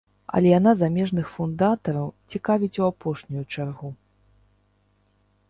Але яна замежных фундатараў цікавіць у апошнюю чаргу.